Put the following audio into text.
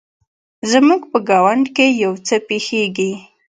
زموږ په ګاونډ کې يو څه پیښیږي